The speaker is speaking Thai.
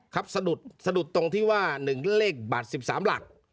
ครับสะดุดตรงที่ว่า๑เลขบาล๑๓หลัก